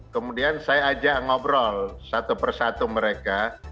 kemudian saya ajak ngobrol satu persatu mereka